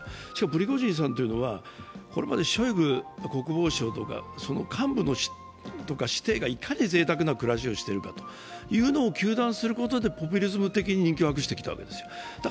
プリゴジンさんというのはこれまでショイグ国防相とかその幹部とか子弟がいかにぜいたくな暮らしをしてるかを糾弾することでポピュリズム的に人気を博してきたんですよ。